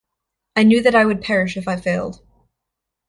I knew that I would perish if I failed.